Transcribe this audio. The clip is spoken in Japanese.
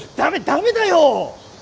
ダメだよ！